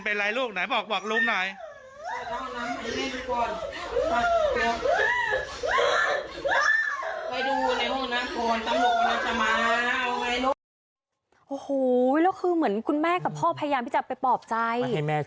โอ้โหแล้วคือเหมือนคุณแม่กับพ่อพยายามที่จะไปปลอบใจ